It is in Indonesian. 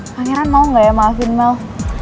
fangeran mau gak ya maafin mel